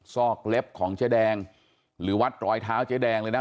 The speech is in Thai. ซอกเล็บของเจ๊แดงหรือวัดรอยเท้าเจ๊แดงเลยนะ